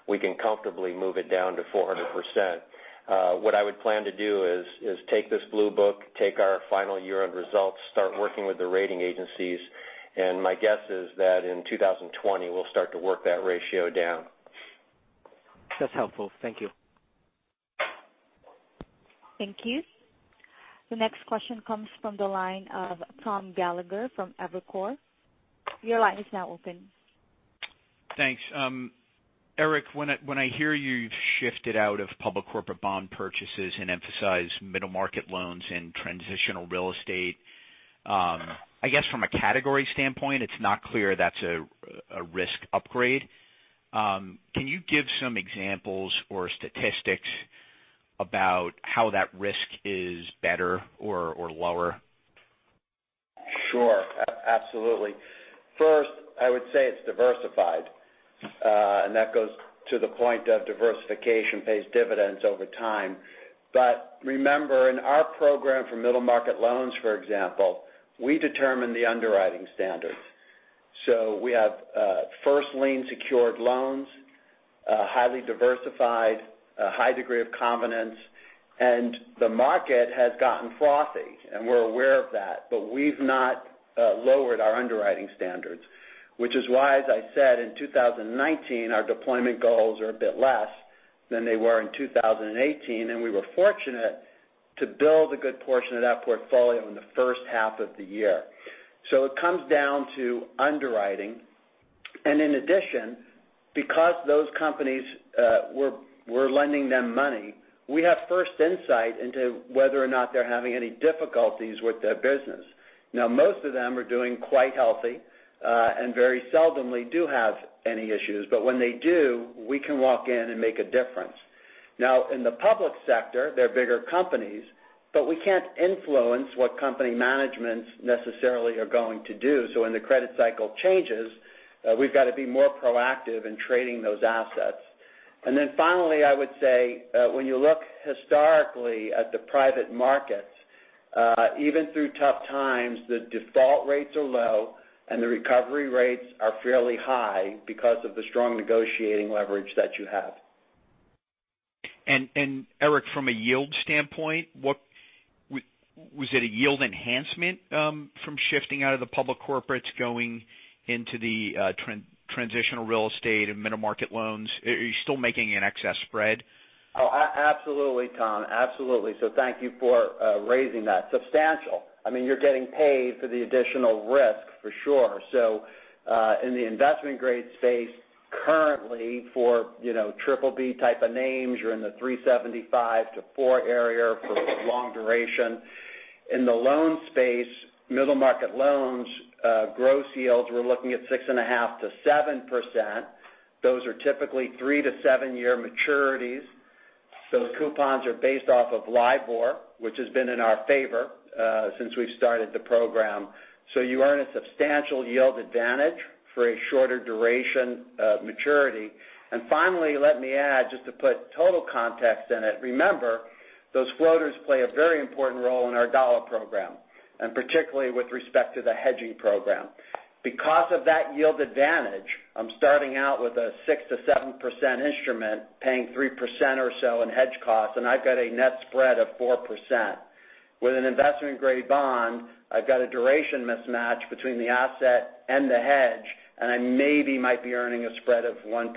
we can comfortably move it down to 400%. What I would plan to do is take this Blue Book, take our final year-end results, start working with the rating agencies, my guess is that in 2020 we'll start to work that ratio down. That's helpful. Thank you. Thank you. The next question comes from the line of Tom Gallagher from Evercore. Your line is now open. Thanks. Eric, when I hear you've shifted out of public corporate bond purchases and emphasized middle market loans and transitional real estate, I guess from a category standpoint, it's not clear that's a risk upgrade. Can you give some examples or statistics about how that risk is better or lower? Sure. Absolutely. First, I would say it's diversified, and that goes to the point of diversification pays dividends over time. Remember, in our program for middle market loans, for example, we determine the underwriting standards. We have first lien secured loans, highly diversified, a high degree of confidence, and the market has gotten frothy, and we're aware of that, but we've not lowered our underwriting standards, which is why, as I said, in 2019 our deployment goals are a bit less than they were in 2018, and we were fortunate to build a good portion of that portfolio in the first half of the year. It comes down to underwriting. In addition, because those companies we're lending them money, we have first insight into whether or not they're having any difficulties with their business. Most of them are doing quite healthy, and very seldomly do have any issues. When they do, we can walk in and make a difference. In the public sector, they're bigger companies- We can't influence what company managements necessarily are going to do. When the credit cycle changes, we've got to be more proactive in trading those assets. Finally, I would say when you look historically at the private markets, even through tough times, the default rates are low and the recovery rates are fairly high because of the strong negotiating leverage that you have. Eric, from a yield standpoint, was it a yield enhancement from shifting out of the public corporates going into the transitional real estate and middle market loans? Are you still making an excess spread? Absolutely, Tom. Absolutely. Thank you for raising that. Substantial. You're getting paid for the additional risk, for sure. In the investment grade space, currently for BBB type of names, you're in the 3.75% to 4% area for long duration. In the loan space, middle market loans, gross yields, we're looking at 6.5%-7%. Those are typically 3-7 year maturities. Those coupons are based off of LIBOR, which has been in our favor since we've started the program. You earn a substantial yield advantage for a shorter duration maturity. Finally, let me add, just to put total context in it, remember, those floaters play a very important role in our dollar program, and particularly with respect to the hedging program. Because of that yield advantage, I'm starting out with a 6%-7% instrument paying 3% or so in hedge costs, and I've got a net spread of 4%. With an investment-grade bond, I've got a duration mismatch between the asset and the hedge, and I maybe might be earning a spread of 1%.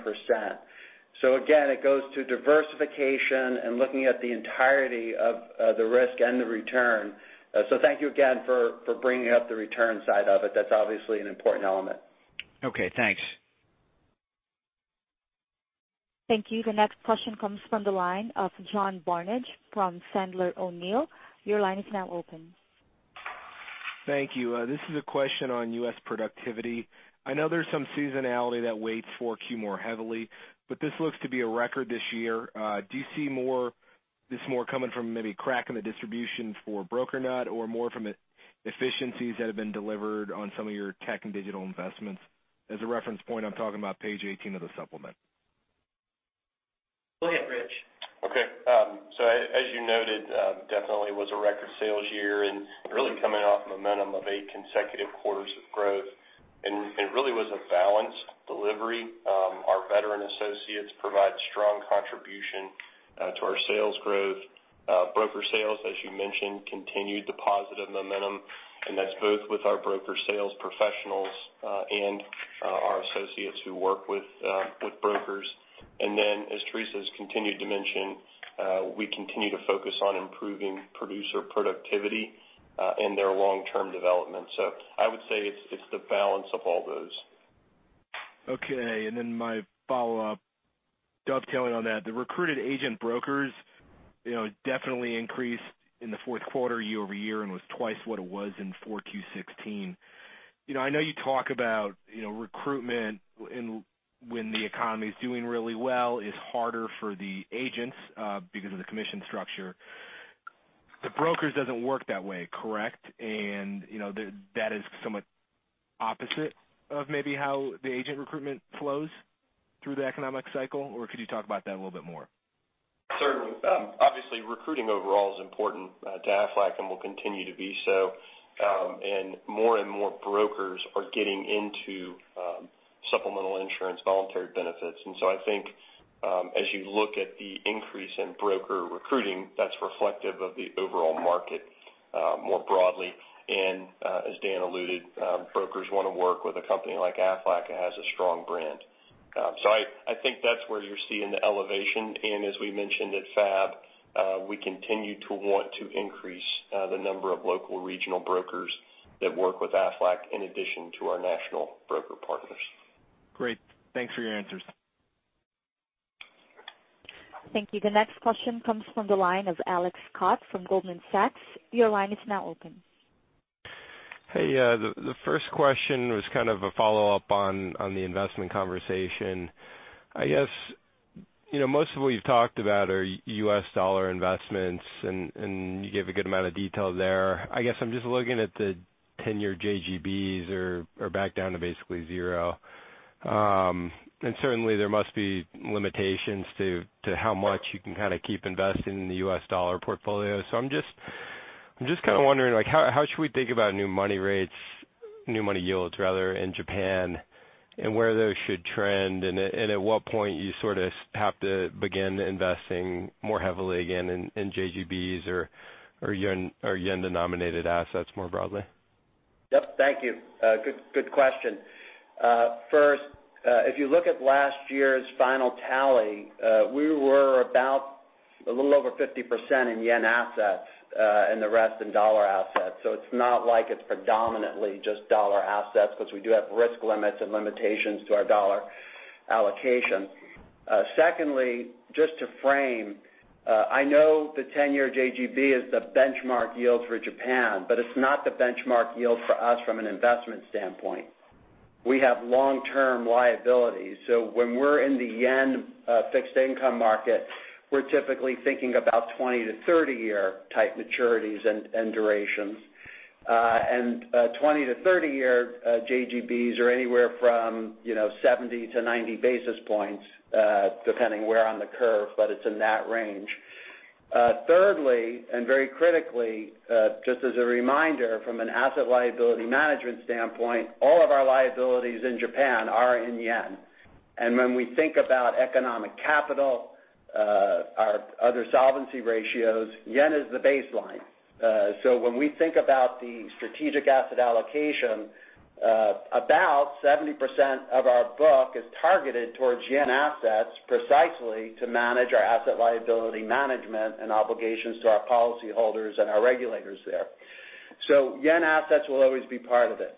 Again, it goes to diversification and looking at the entirety of the risk and the return. Thank you again for bringing up the return side of it. That's obviously an important element. Okay, thanks. Thank you. The next question comes from the line of John Barnidge from Sandler O'Neill. Your line is now open. Thank you. This is a question on U.S. productivity. I know there's some seasonality that weights 4Q more heavily, but this looks to be a record this year. Do you see this more coming from maybe crack in the distribution for broker net or more from efficiencies that have been delivered on some of your tech and digital investments? As a reference point, I'm talking about page 18 of the supplement. Go ahead, Rich. Okay. As you noted, definitely was a record sales year and really coming off momentum of 8 consecutive quarters of growth. It really was a balanced delivery. Our veteran associates provide strong contribution to our sales growth. Broker sales, as you mentioned, continued the positive momentum, and that's both with our broker sales professionals and our associates who work with brokers. As Teresa's continued to mention, we continue to focus on improving producer productivity and their long-term development. I would say it's the balance of all those. Okay, my follow-up, dovetailing on that. The recruited agent brokers definitely increased in the fourth quarter year-over-year and was twice what it was in 4Q 2016. I know you talk about recruitment when the economy's doing really well is harder for the agents because of the commission structure. The brokers doesn't work that way, correct? That is somewhat opposite of maybe how the agent recruitment flows through the economic cycle, or could you talk about that a little bit more? Certainly. Obviously, recruiting overall is important to Aflac and will continue to be so. More and more brokers are getting into supplemental insurance voluntary benefits. I think as you look at the increase in broker recruiting, that's reflective of the overall market more broadly. As Dan alluded, brokers want to work with a company like Aflac that has a strong brand. I think that's where you're seeing the elevation. As we mentioned at FAB, we continue to want to increase the number of local regional brokers that work with Aflac in addition to our national broker partners. Great. Thanks for your answers. Thank you. The next question comes from the line of Alex Scott from Goldman Sachs. Your line is now open. Hey, the first question was kind of a follow-up on the investment conversation. I guess, most of what you've talked about are U.S. dollar investments, and you gave a good amount of detail there. I guess I'm just looking at the 10-year JGBs are back down to basically zero. Certainly, there must be limitations to how much you can kind of keep investing in the U.S. dollar portfolio. I'm just kind of wondering, how should we think about new money yields in Japan and where those should trend, and at what point you sort of have to begin investing more heavily again in JGBs or Yen-denominated assets more broadly? Yep, thank you. Good question. First, if you look at last year's final tally, we were about a little over 50% in Yen assets and the rest in Dollar assets. It's not like it's predominantly just Dollar assets because we do have risk limits and limitations to our Dollar allocation. Secondly, just to frame, I know the 10-year JGB is the benchmark yield for Japan, but it's not the benchmark yield for us from an investment standpoint. We have long-term liabilities. When we're in the Yen fixed income market, we're typically thinking about 20 to 30 year type maturities and durations. 20 to 30 year JGBs are anywhere from 70 to 90 basis points, depending where on the curve, but it's in that range. Thirdly, very critically, just as a reminder from an asset liability management standpoint, all of our liabilities in Japan are in Yen. When we think about economic capital, our other solvency ratios, Yen is the baseline. When we think about the strategic asset allocation, about 70% of our book is targeted towards Yen assets precisely to manage our asset liability management and obligations to our policyholders and our regulators there. Yen assets will always be part of it.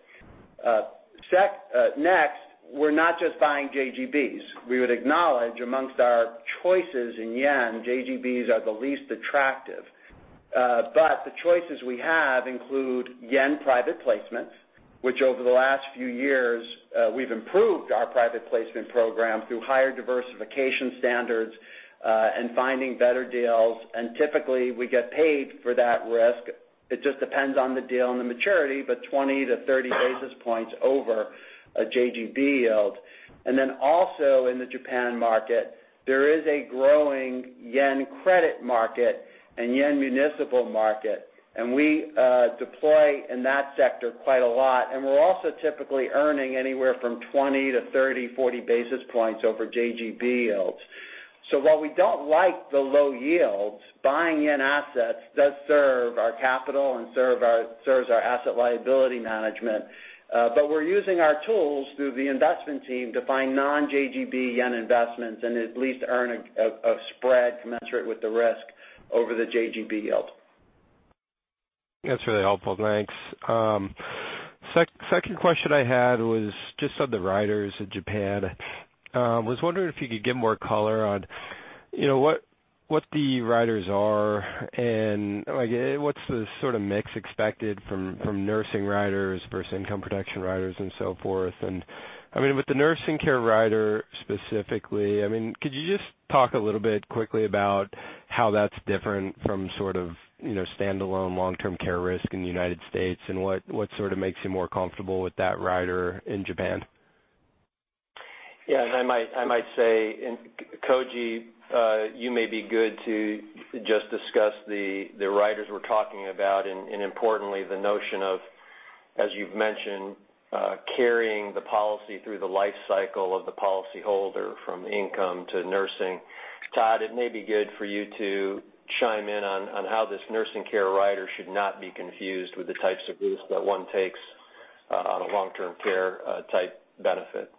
Next, we're not just buying JGBs. We would acknowledge amongst our choices in Yen, JGBs are the least attractive. The choices we have include Yen private placements, which over the last few years, we've improved our private placement program through higher diversification standards, and finding better deals, and typically we get paid for that risk. It just depends on the deal and the maturity, but 20 to 30 basis points over a JGB yield. Also in the Japan market, there is a growing yen credit market and yen municipal market, and we deploy in that sector quite a lot, and we're also typically earning anywhere from 20 to 30, 40 basis points over JGB yields. While we don't like the low yields, buying yen assets does serve our capital and serves our asset liability management. We're using our tools through the investment team to find non-JGB yen investments and at least earn a spread commensurate with the risk over the JGB yield. That's really helpful. Thanks. Second question I had was just on the riders in Japan. I was wondering if you could give more color on what the riders are and what's the sort of mix expected from nursing riders versus income protection riders and so forth. I mean, with the nursing care rider specifically, could you just talk a little bit quickly about how that's different from standalone long-term care risk in the U.S. and what sort of makes you more comfortable with that rider in Japan? I might say, Koji, you may be good to just discuss the riders we're talking about and importantly, the notion of, as you've mentioned, carrying the policy through the life cycle of the policyholder from income to nursing. Todd, it may be good for you to chime in on how this nursing care rider should not be confused with the types of risks that one takes on a long-term care type benefit.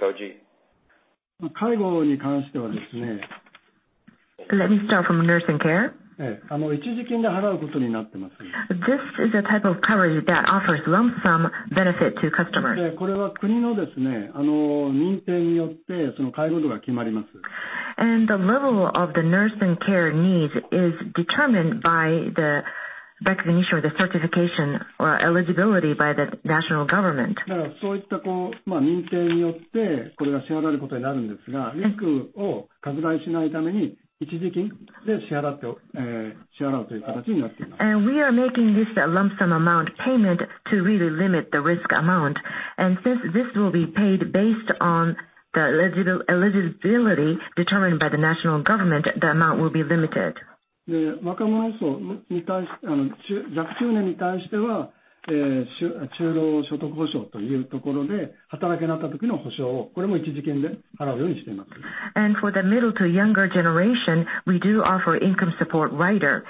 Koji? Let me start from nursing care. This is a type of coverage that offers lump sum benefit to customers. The level of the nursing care needs is determined by the recognition or the certification or eligibility by the national government. We are making this a lump sum amount payment to really limit the risk amount. Since this will be paid based on the eligibility determined by the national government, the amount will be limited. For the middle to younger generation, we do offer income support rider,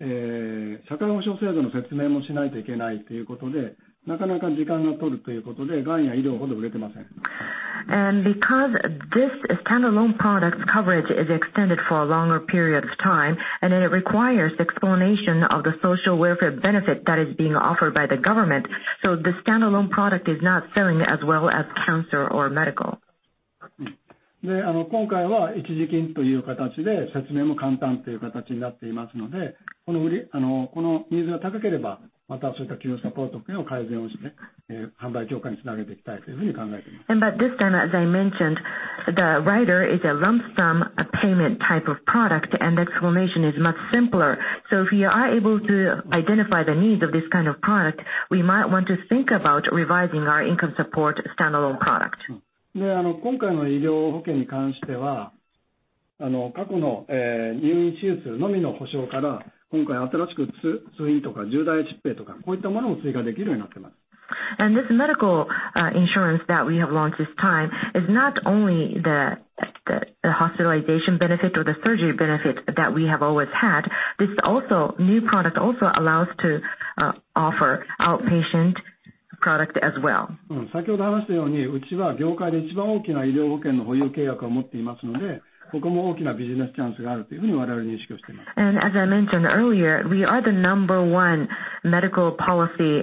and this is also a lump sum type of coverage that will be paid when the policyholder is not able to work. We also have a standalone product, income support product. Because this standalone product coverage is extended for a longer period of time, it requires explanation of the social welfare benefit that is being offered by the government, the standalone product is not selling as well as cancer or medical. This time, as I mentioned, the rider is a lump sum payment type of product and explanation is much simpler. If you are able to identify the needs of this kind of product, we might want to think about revising our income support standalone product. This medical insurance that we have launched this time is not only the hospitalization benefit or the surgery benefit that we have always had. This new product also allows to offer outpatient product. Product as well. As I mentioned earlier, we are the number one medical policy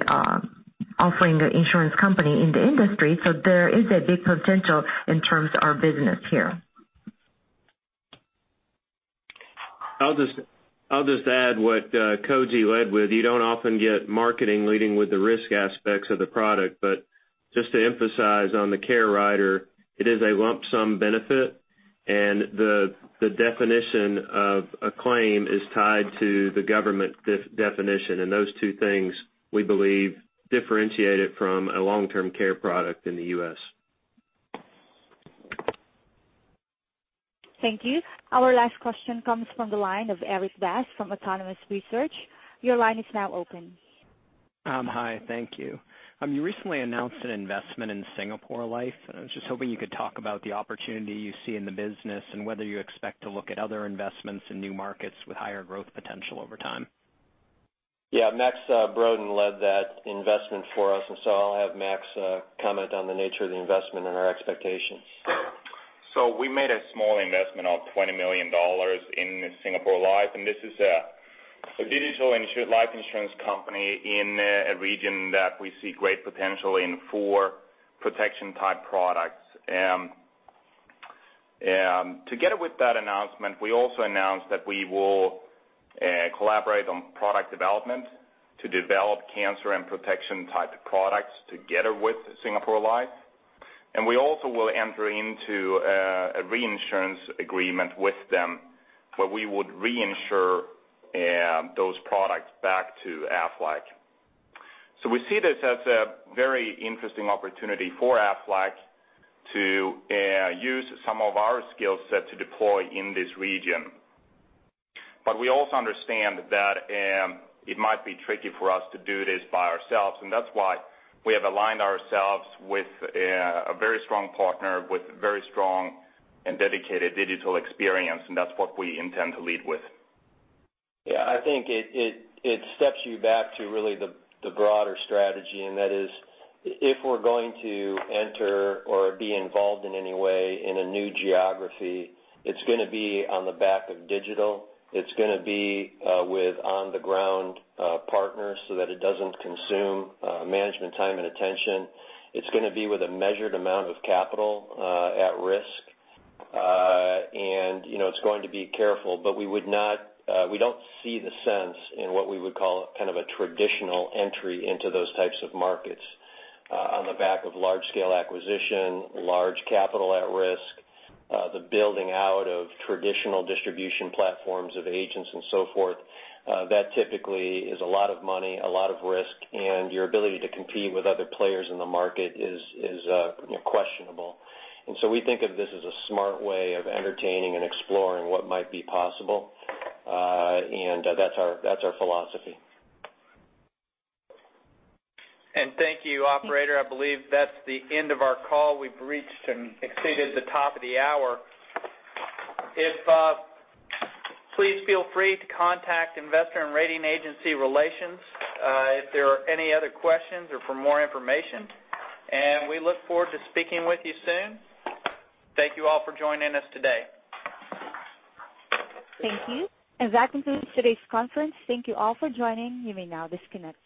offering insurance company in the industry, there is a big potential in terms of our business here. I'll just add what Koji led with. You don't often get marketing leading with the risk aspects of the product, just to emphasize on the care rider, it is a lump sum benefit and the definition of a claim is tied to the government definition. Those two things, we believe, differentiate it from a long-term care product in the U.S. Thank you. Our last question comes from the line of Erik Bass from Autonomous Research. Your line is now open. Hi. Thank you. You recently announced an investment in Singapore Life. I was just hoping you could talk about the opportunity you see in the business and whether you expect to look at other investments in new markets with higher growth potential over time. Max Brodén led that investment for us. I'll have Max comment on the nature of the investment and our expectations. We made a small investment of $20 million in Singapore Life. This is a digital life insurance company in a region that we see great potential in for protection-type products. Together with that announcement, we also announced that we will collaborate on product development to develop cancer and protection-type products together with Singapore Life. We also will enter into a reinsurance agreement with them, where we would reinsure those products back to Aflac. We see this as a very interesting opportunity for Aflac to use some of our skill set to deploy in this region. We also understand that it might be tricky for us to do this by ourselves. That's why we have aligned ourselves with a very strong partner with very strong and dedicated digital experience. That's what we intend to lead with. I think it steps you back to really the broader strategy. That is, if we're going to enter or be involved in any way in a new geography, it's going to be on the back of digital. It's going to be with on-the-ground partners so that it doesn't consume management time and attention. It's going to be with a measured amount of capital at risk. It's going to be careful. We don't see the sense in what we would call kind of a traditional entry into those types of markets on the back of large-scale acquisition, large capital at risk, the building out of traditional distribution platforms of agents and so forth. That typically is a lot of money, a lot of risk. Your ability to compete with other players in the market is questionable. We think of this as a smart way of entertaining and exploring what might be possible. That's our philosophy. Thank you, operator. I believe that's the end of our call. We've reached and exceeded the top of the hour. Please feel free to contact investor and rating agency relations if there are any other questions or for more information, and we look forward to speaking with you soon. Thank you all for joining us today. Thank you. That concludes today's conference. Thank you all for joining. You may now disconnect.